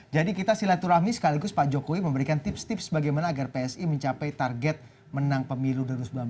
jadi kita sila turami sekaligus pak jokowi memberikan tips tips bagaimana agar psi mencapai target menang pemilu dua ribu sembilan belas